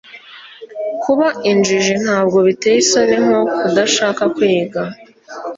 kuba injiji ntabwo biteye isoni nko kudashaka kwiga